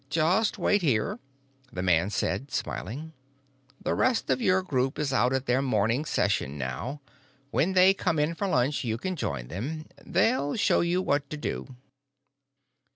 "Just wait here," the man said, smiling. "The rest of your group is out at their morning session now. When they come in for lunch you can join them. They'll show you what to do."